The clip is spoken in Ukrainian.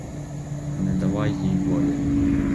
Не давай їй волі!